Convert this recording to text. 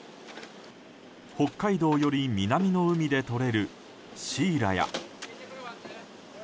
北海道より南の海でとれるシイラや。